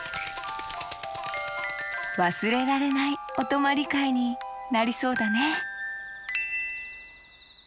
わすれられないおとまりかいになりそうだね